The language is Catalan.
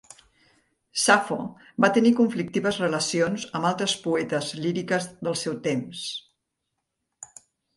Safo va tenir conflictives relacions amb altres poetes líriques del seu temps.